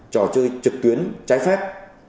trò chơi trực tuyến trái phép